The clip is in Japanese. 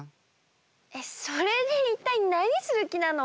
えっそれでいったいなにする気なの？